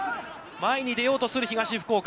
前に出ようとする東福岡。